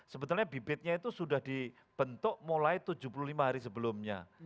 sebetulnya bibitnya itu sudah dibentuk mulai tujuh puluh lima hari sebelumnya